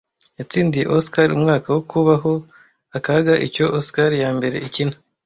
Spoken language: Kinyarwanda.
yatsindiye Oscar Umwaka wo Kubaho Akaga icyo Oscar ya mbere ikina